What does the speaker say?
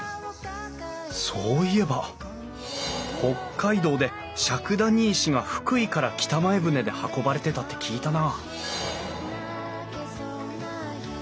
そういえば北海道で笏谷石が福井から北前船で運ばれてたって聞いたな